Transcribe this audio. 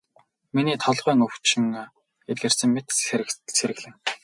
Миний толгойн өвчин эдгэрсэн мэт сэргэлэн.